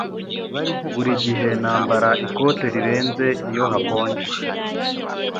Buri gihe nambara ikote rirenze iyo hakonje.